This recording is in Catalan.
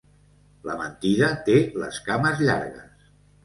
La mentida té les cames llargues.